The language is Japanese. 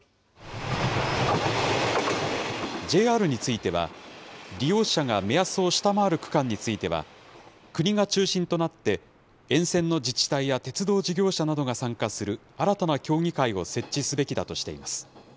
ＪＲについては、利用者が目安を下回る区間については、国が中心となって、沿線の自治体や鉄道事業者などが参加する新たな協議会を設置すべきだとしています。